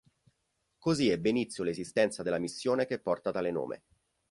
Così ebbe inizio l'esistenza della missione che porta tale nome.